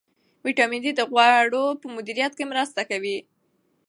ویټامین ډي د غوړو په مدیریت کې مرسته کوي.